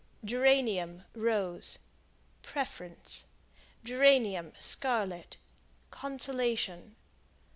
Geranium, Rose Preference. Geranium, Scarlet Consolation.